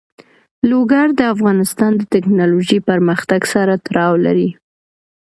لوگر د افغانستان د تکنالوژۍ پرمختګ سره تړاو لري.